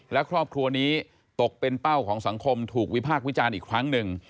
และครอบครัวนี้ตกเป็นเป้าของสังคมถูกวิพากษ์วิจารณ์อีกครั้งหนึ่ง